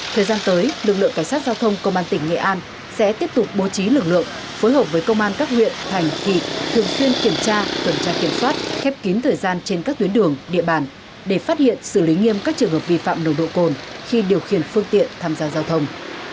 thời gian tới lực lượng cảnh sát giao thông công an tỉnh nghệ an sẽ tiếp tục bố trí lực lượng phối hợp với công an các huyện thành thị thường xuyên kiểm tra cẩn trang kiểm soát khép kín thời gian trên các tuyến đường địa bàn để phát hiện xử lý nghiêm các trường hợp vi phạm nồng độ cồn khi điều khiển phương tiện tham gia giao thông